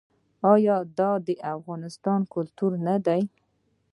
آیا دا د پښتنو کلتور نه دی؟